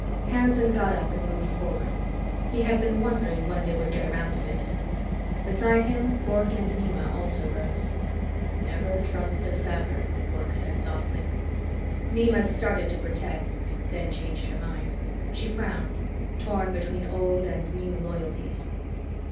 Hanson got up and moved forward. He had been wondering when they would get around to this. Beside him, Bork and Nema also rose. "Never trust a Sather," Bork said softly. Nema started to protest, then changed her mind. She frowned, torn between old and new loyalties.